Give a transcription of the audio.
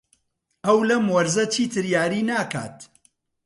ئەو لەم وەرزە چیتر یاری ناکات.